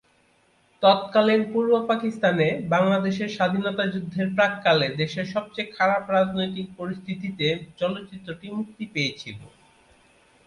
তৎকালীন পূর্ব পাকিস্তানে বাংলাদেশের স্বাধীনতা যুদ্ধের প্রাক্কালে দেশের সবচেয়ে খারাপ রাজনৈতিক পরিস্থিতিতে চলচ্চিত্রটি মুক্তি পেয়েছিল।